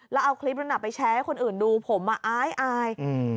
แล้วเอาคลิปนั้นไปแชร์ให้คนอื่นดูผมอาย